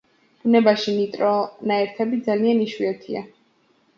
ბუნებაში ნიტრონაერთები ძალიან იშვიათია.